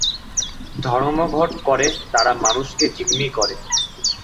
ধর্মঘট করে তারা মানুষকে জিম্মি করে।